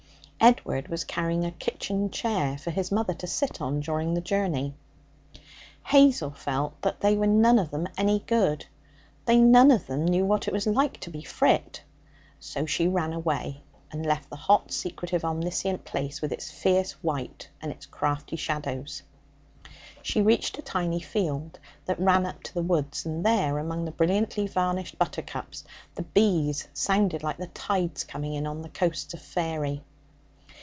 Edward was carrying a kitchen chair for his mother to sit on during the journey. Hazel felt that they were none of them any good; they none of them knew what it was like to be frit. So she ran away, and left the hot, secretive, omniscient place with its fierce white and its crafty shadows. She reached a tiny field that ran up to the woods, and there, among the brilliantly varnished buttercups, the bees sounded like the tides coming in on the coasts of faery.